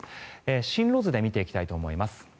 進路図で見ていきたいと思います。